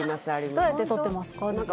どうやって撮ってますか？